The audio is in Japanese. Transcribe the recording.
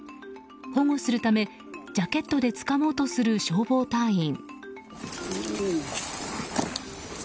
保護するため、ジャケットでつかもうとする消防隊員。